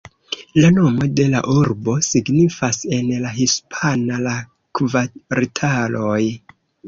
La nomo de la urbo signifas en la hispana "La kvartaloj".